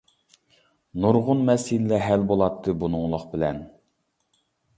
نۇرغۇن مەسىلىلەر ھەل بولاتتى بۇنىڭلىق بىلەن.